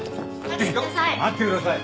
待ってください！